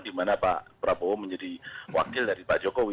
di mana pak prabowo menjadi wakil dari pak jokowi